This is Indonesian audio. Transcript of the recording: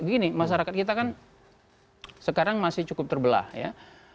begini masyarakat kita kan sekarang masih cukup terbelah ya